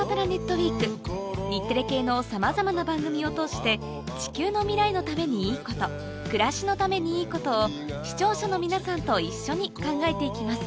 ウィーク日テレ系のさまざまな番組を通して地球の未来のためにいいこと暮らしのためにいいことを視聴者の皆さんと一緒に考えて行きます